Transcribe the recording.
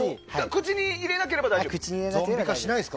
口に入れなければ大丈夫です。